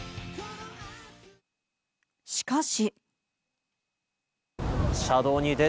しかし。